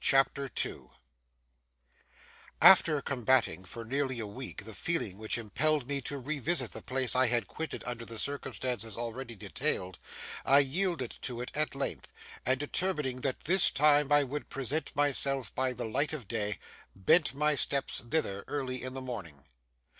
CHAPTER 2 After combating, for nearly a week, the feeling which impelled me to revisit the place I had quitted under the circumstances already detailed, I yielded to it at length; and determining that this time I would present myself by the light of day, bent my steps thither early in the morning.